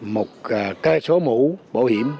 một cây số mũ bảo hiểm